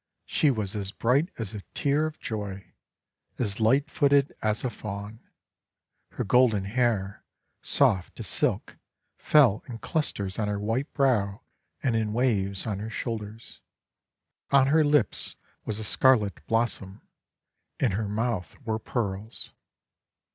She was as bright as a tear of joy, as light footed as a Fawn. Her golden hair, soft as silk, fell in clusters on her white brow and in waves on her shoulders. On her lips was a scarlet blossom, in her mouth were Pearls.